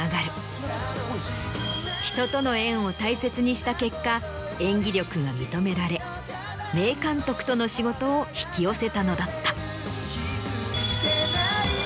した結果演技力が認められ名監督との仕事を引き寄せたのだった。